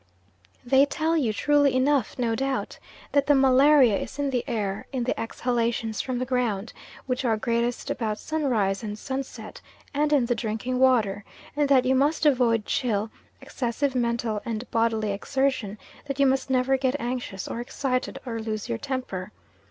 They tell you, truly enough no doubt, that the malaria is in the air, in the exhalations from the ground, which are greatest about sunrise and sunset, and in the drinking water, and that you must avoid chill, excessive mental and bodily exertion, that you must never get anxious, or excited, or lose your temper.